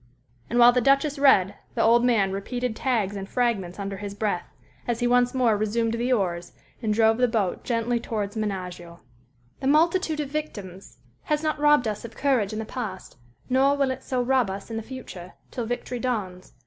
And while the Duchess read, the old man repeated tags and fragments under his breath, as he once more resumed the oars and drove the boat gently towards Menaggio. "_The multitude of victims has not robbed us of courage in the past, nor will it so rob us in the future till victory dawns.